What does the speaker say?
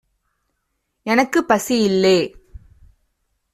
எனக்கு பசி இல்லெ